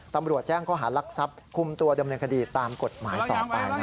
ตำรวจแจ้งข้อหารักทรัพย์คุมตัวดำเนินคดีตามกฎหมายต่อไป